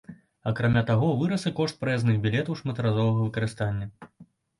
Акрамя таго, вырас і кошт праязных білетаў шматразовага карыстання.